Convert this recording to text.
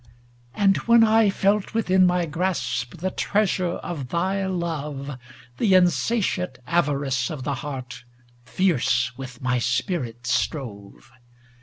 And when I felt within my grasp, The treasure of thy love; The insatiate avarice of the heart Fierce with my spirit strove.